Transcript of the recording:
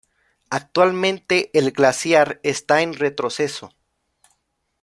Actualmente el glaciar está en retroceso.